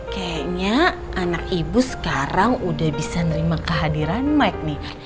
kayaknya anak ibu sekarang udah bisa nerima kehadiran mike nih